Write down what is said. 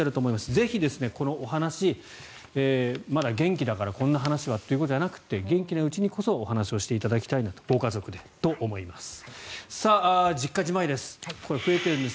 ぜひこのお話、まだ元気だからこんな話はということじゃなくて元気なうちにこそ、ご家族でお話していただきたいなと思います。